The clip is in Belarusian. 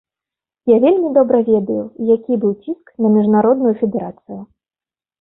Я вельмі добра ведаю, якой быў ціск на міжнародную федэрацыю.